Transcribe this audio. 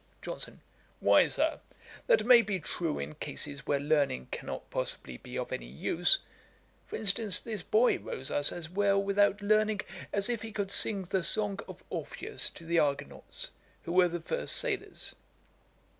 JOHNSON. 'Why, Sir, that may be true in cases where learning cannot possibly be of any use; for instance, this boy rows us as well without learning, as if he could sing the song of Orpheus to the Argonauts, who were the first sailors.'